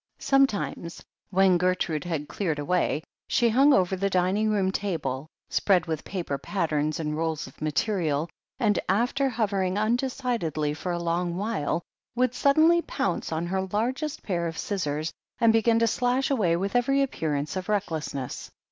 Sometimes, when Gertrude had cleared away, she hung over the dining room table, spread with paper patterns and rolls of material, and after hovering undecidedly for a long while, would sud denly pounce on her largest pair of scissors and begin to slash away with every appearance of recklessness.